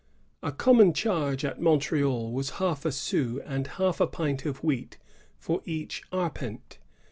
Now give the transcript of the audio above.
A common charge at Montreal was half a sou and half a pint of wheat for each arpent.